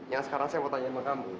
yang sekarang saya mau tanya sama kamu